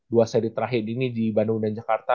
dua seri terakhir ini di bandung dan jakarta